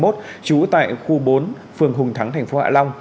trú tại khu bốn phường hùng thắng thành phố hạ long